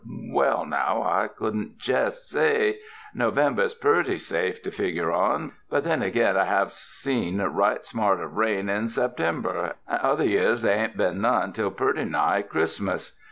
Well, now, I couldn't jest say. No vember is purty safe to figger on. But then again, I have seen right smart of rain in September; and other years they ain't been none till purty nigh Christmas.